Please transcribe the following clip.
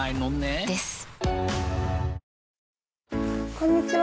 こんにちは。